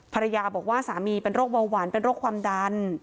ภรรยาบอกว่าสามีเป็นโรคเบาหวานเป็นโรคความดัน